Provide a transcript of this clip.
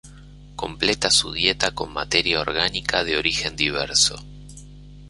Completa su dieta con materia orgánica de origen diverso.